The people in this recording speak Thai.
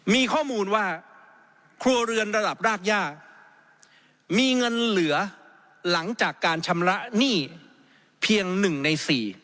มีข้อมูลว่าครัวเรือนระดับรากย่ามีเงินเหลือหลังจากการชำระหนี้เพียง๑ใน๔